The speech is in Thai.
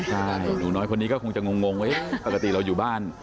ใช่หนูน้อยคนนี้ก็คงจะงงไว้ปกติเราอยู่บ้าน